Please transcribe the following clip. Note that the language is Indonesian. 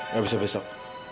gak bisa besok